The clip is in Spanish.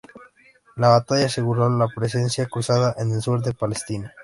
La batalla aseguró la presencia cruzada en el sur de Palestina.